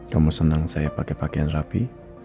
kamu senang saya pakai pakaian rapi